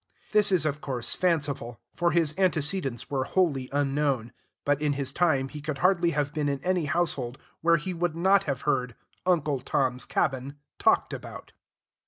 This is, of course, fanciful, for his antecedents were wholly unknown, but in his time he could hardly have been in any household where he would not have heard "Uncle Tom's Cabin" talked about.